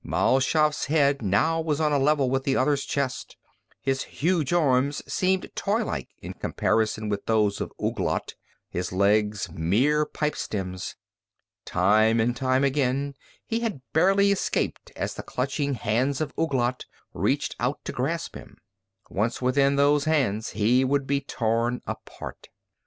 Mal Shaff's head now was on a level with the other's chest; his huge arms seemed toylike in comparison with those of Ouglat, his legs mere pipestems. Time and time again he had barely escaped as the clutching hands of Ouglat reached out to grasp him. Once within those hands he would be torn apart.